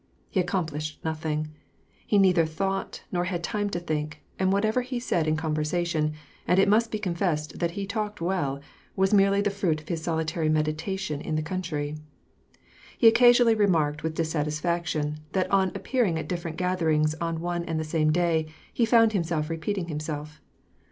He accomplished nothing ; he neither thought, nor had time to think ; and whatever he said in conversation — and it must be confessed tbat he talked well — was merely the fruit of his solitary meditation in the country. He occasionally remarked with dissatisfaction, that on appear ing at different gatherings on one and the same day, he found himself repeating himself.